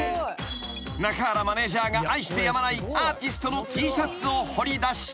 ［中原マネジャーが愛してやまないアーティストのＴシャツを掘り出した］